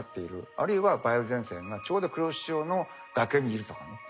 あるいは梅雨前線がちょうど黒潮の崖にいるとかねそういう条件。